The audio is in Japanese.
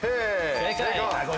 正解！